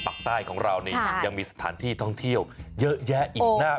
ปากใต้ของเรานี่ยังมีสถานที่ท่องเที่ยวเยอะแยะอีกหน้า